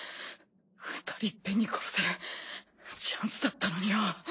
２人いっぺんに殺せるチャンスだったのによ。